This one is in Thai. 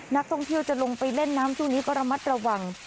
นักท่องเที่ยวจะลงไปเล่นน้ำช่วงนี้ก็ระมัดระวัง